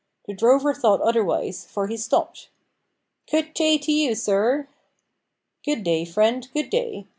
The drover thought otherwise, for he stopped. "Coot tay to you, sir." "Good day, friend, good day.